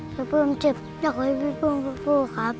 พี่ปื้มเจ็บอยากให้พี่ปื้มฟูครับ